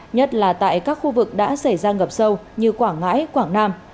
nhất là tại các khu vực đã xảy ra ngập sâu như quảng ngãi quảng nam